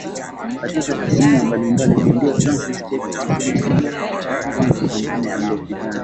katika tasnia mbalimbali Bondia Francis Cheka alisema kwa mara ya kwanza pambano alilopigana